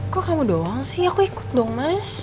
kok kamu doang sih aku ikut dong mas